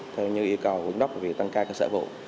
theo như yêu cầu quận đốc về tăng ca cơ sở vụ